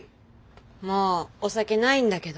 もうお酒ないんだけど。